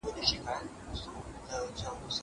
زه بايد امادګي ونيسم.